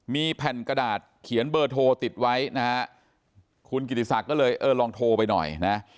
มีแผ่นกระดาษเขียนเบอร์โทรติดไว้นะฮะคุณกิติศักดิ์ก็เลยเออลองโทรไปหน่อยนะ